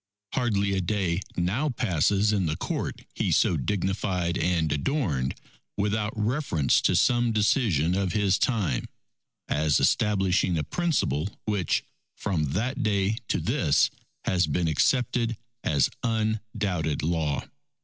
Hardly a day now passes in the Court he so dignified and adorned, without reference to some decision of his time, as establishing a principle which, from that day to this, has been accepted as undoubted law.